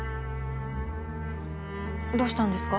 どうしたんですか？